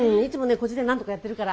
こっちでなんとかやってるから。